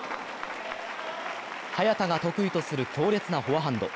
早田が得意とする強烈なフォアハンド。